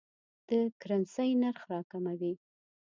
د کرنسۍ نرخ راکموي.